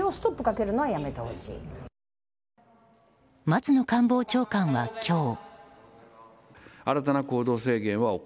松野官房長官は今日。